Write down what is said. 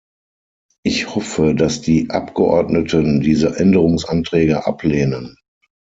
Ich hoffe, dass die Abgeordneten diese Änderungsanträge ablehnen.